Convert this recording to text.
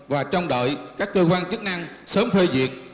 và trông đợi các cơ quan chức năng sớm phê duyệt